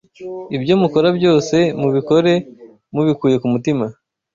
Ibyo mukora byose, mubikore mubikuye ku mutima